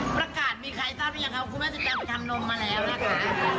ประกาศมีใครทราบนี้นะคะว่าคุณแม่จะจำทำนมมาแล้วนะคะ